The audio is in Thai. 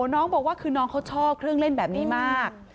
น้องบอกว่าคือน้องเขาชอบเครื่องเล่นแบบนี้มาก